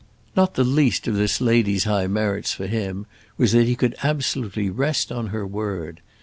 Not the least of this lady's high merits for him was that he could absolutely rest on her word.